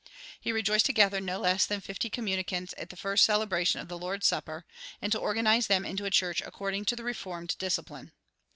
He rejoiced to gather no less than fifty communicants at the first celebration of the Lord's Supper, and to organize them into a church according to the Reformed discipline.